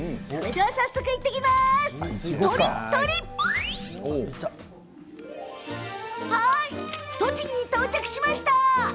はーい、栃木に到着しました！